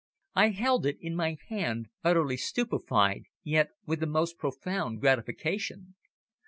I held it in my hand utterly stupefied, yet with the most profound gratification.